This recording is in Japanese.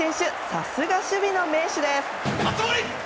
さすが守備の名手です。